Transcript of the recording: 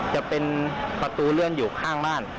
จะเป็นประตูเลื่อนอยู่ข้างบ้าน